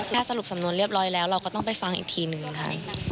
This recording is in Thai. ถ้าสรุปสำนวนเรียบร้อยแล้วเราก็ต้องไปฟังอีกทีหนึ่งค่ะ